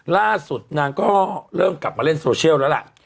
ล่าสุดนางก็เริ่มกลับมาเล่นโซเชียลแล้วล่ะ